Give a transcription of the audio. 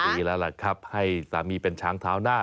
ปีแล้วล่ะครับให้สามีเป็นช้างเท้าหน้า